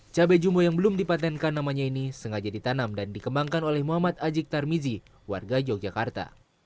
cabai jumbo yang belum dipatenkan namanya ini sengaja ditanam dan dikembangkan oleh muhammad ajik tarmizi warga yogyakarta